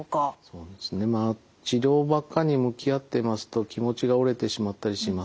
そうですね治療ばっかりに向き合ってますと気持ちが折れてしまったりします。